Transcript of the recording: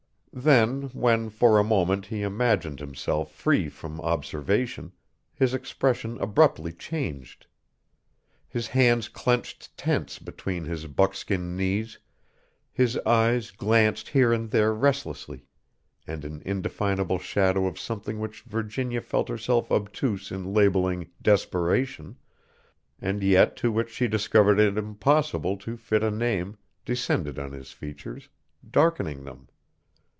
Then when, for a moment, he imagined himself free from observation, his expression abruptly changed. His hands clenched tense between his buckskin knees, his eyes glanced here and there restlessly, and an indefinable shadow of something which Virginia felt herself obtuse in labelling desperation, and yet to which she discovered it impossible to fit a name, descended on his features, darkening them.